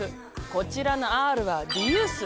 こちらのＲはリユース！